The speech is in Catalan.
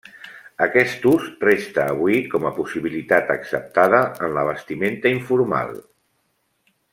Aquest ús resta avui com a possibilitat acceptada en la vestimenta informal.